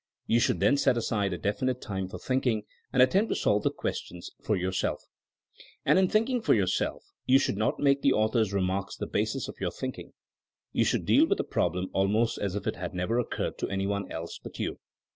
You should then set aside a definite time for thinking and attempt to solve the questions for your self. And in thinking for yourself you should not mal^e the author's remarks the basis of your thinking. You should deal with a problem al most as if it had never occurred to any one else but you.